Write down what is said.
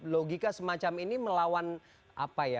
logika semacam ini melawan apa ya